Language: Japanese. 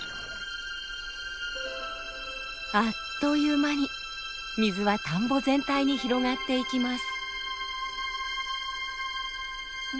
あっという間に水は田んぼ全体に広がっていきます。